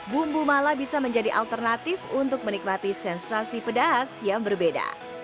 bumbu mala bisa menjadi alternatif untuk menikmati sensasi pedas yang berbeda